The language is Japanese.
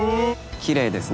きれいですね。